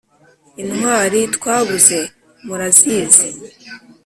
Intwari twabuze murazizi